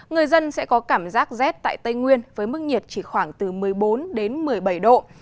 người dân sẽ có cảm giác rét tại tây nguyên với mức nhiệt chỉ khoảng từ một mươi bốn đến một mươi bảy độ